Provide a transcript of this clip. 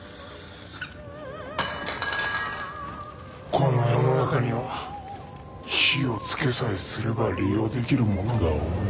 この世の中には火を付けさえすれば利用できるものが多い。